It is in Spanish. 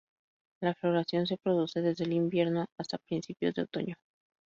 La floración se produce desde el invierno hasta principios de otoño.